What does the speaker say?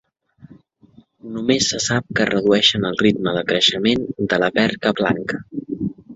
Només se sap que redueixen el ritme de creixement de la perca blanca.